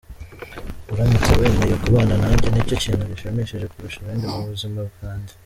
Uramutse wemeye kubana nanjye nicyo kintu gishimishije kurusha ibindi mu buzima bwanjye.